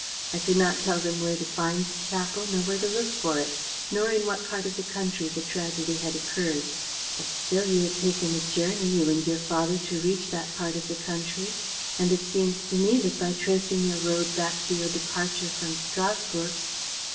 I could not tell them where to find the chapel, nor where to look for it, nor in what part of the country the tragedy had occurred." "But still you had taken a journey, you and your father, to reach that part of the country; and it seems to me that, by tracing your road back to your departure from Strasburg.